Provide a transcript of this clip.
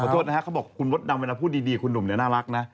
โทษนะฮะเขาบอกคุณมดดำเวลาพูดดีคุณหนุ่มเนี่ยน่ารักนะ